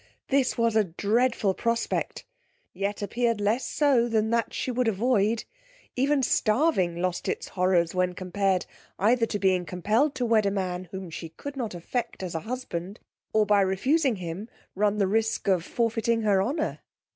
This was a dreadful prospect! yet appeared less so than that she would avoid: even starving lost its horrors when compared either to being compelled to wed a man whom she could not affect as a husband, or, by refusing him, run the risque of forfeiting her honour.